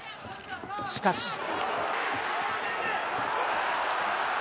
しかし。